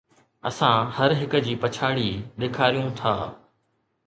اسان هر هڪ جي پڇاڙي ڏيکاريون ٿا